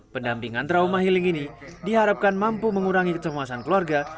pendampingan trauma healing ini diharapkan mampu mengurangi kecemasan keluarga